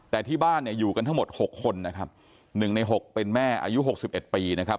แต่ที่บ้านเนี่ยอยู่กันทั้งหมดหกคนนะครับ๑ใน๖เป็นแม่อายุหกสิบเอ็ดปีนะครับ